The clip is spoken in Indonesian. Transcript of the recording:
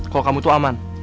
kalau kamu tuh aman